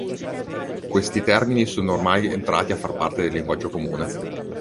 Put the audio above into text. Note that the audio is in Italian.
Questi termini sono ormai entrati a far parte del linguaggio comune.